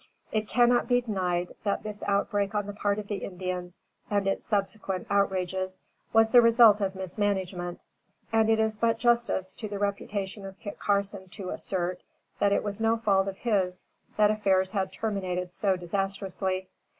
It cannot be denied but that this outbreak on the part of the Indians, and its subsequent outrages, was the result of mismanagement; and, it is but justice to the reputation of Kit Carson to assert, that it was no fault of his that affairs had terminated so disastrously.